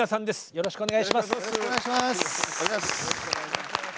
よろしくお願いします。